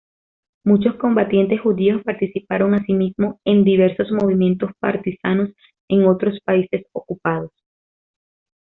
Muchos combatientes judíos participaron asimismo en diversos movimientos partisanos en otros países ocupados.